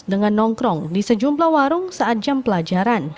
dengan nongkrong di sejumlah warung saat jam pelajaran